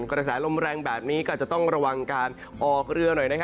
กระแสลมแรงแบบนี้ก็อาจจะต้องระวังการออกเรือหน่อย